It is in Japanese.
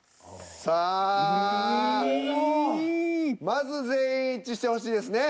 まず全員一致してほしいですね。